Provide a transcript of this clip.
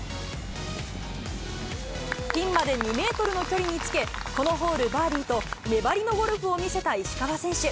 ピンまで２メートルの距離につけ、このホール、バーディーと、粘りのゴルフを見せた石川選手。